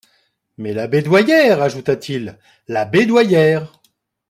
Mais Labédoyère, ajouta-t-il, Labédoyère!